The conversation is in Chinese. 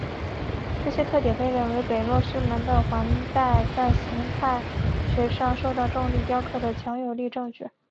这些特点被认为是北落师门的环带在形态学上受到重力雕刻的强有力证据。